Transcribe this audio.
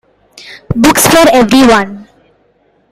Books for everyone.